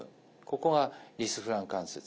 ここがリスフラン関節。